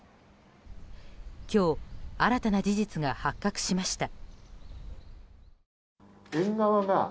今日新たな事実が発覚しました。